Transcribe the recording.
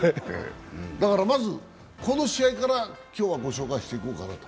まず、この試合から今日はご紹介していこうかなと。